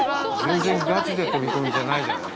全然ガチで飛び込みじゃないじゃない。